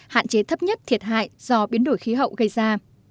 hạn chế thấp nhất thiệt hại do biến đổi khí hậu gây ra